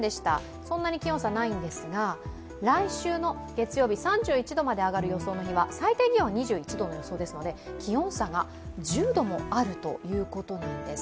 そんなに気温差はないんですが来週の月曜日は３１度まで上がる日は最低気温が２１度ですので気温差が１０度もあるということなんです。